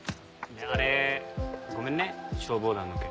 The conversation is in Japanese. あれごめんね消防団の件。